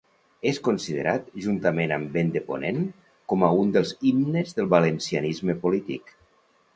És considerat, juntament amb Vent de Ponent com a un dels himnes del valencianisme polític.